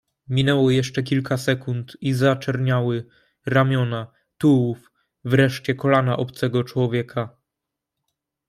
"Minęło jeszcze kilka sekund i zaczerniały ramiona, tułów, wreszcie kolana obcego człowieka."